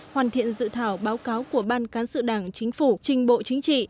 hoàn thiện dự thảo báo cáo của ban cán sự đảng chính phủ trình bộ chính trị